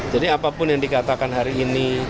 jadi apapun yang dikatakan hari ini